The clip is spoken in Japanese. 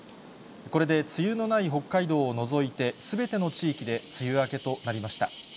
これで梅雨のない北海道を除いて、すべての地域で梅雨明けとなりました。